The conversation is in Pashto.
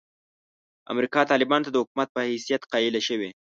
امریکا طالبانو ته د حکومت په حیثیت قایله شوې.